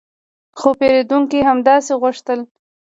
خو پیرودونکي همداسې غوښتل